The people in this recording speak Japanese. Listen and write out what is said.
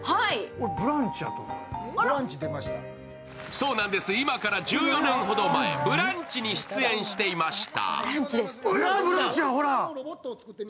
そうなんです、今から１４年ほど前「ブランチ」に出演していました。